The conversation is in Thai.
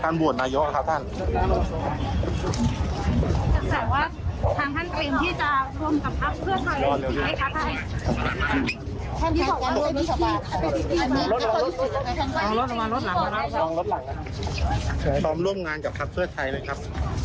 ตอบร่วมงานกับครับช่วงชื่อไทยเลยครับ